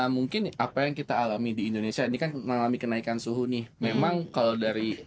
mungkin apa yang kita alami di indonesia ini kan mengalami kenaikan suhu nih memang kalau dari